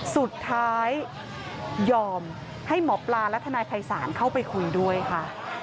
สุดท้ายยอมให้หมอปลาและทนายภัยศาลเข้าไปคุยด้วยค่ะ